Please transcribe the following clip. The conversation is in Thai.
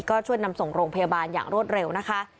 ก็ช่วยนำส่งโรงพยาบาลอย่างรวดเร็วนะคะ